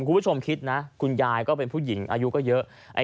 คุณผู้ชมคิดนะคุณยายก็เป็นผู้หญิงอายุก็เยอะ